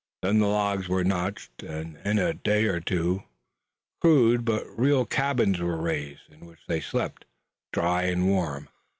Then the logs were notched and in a day or two rude but real cabins were raised, in which they slept, dry and warm.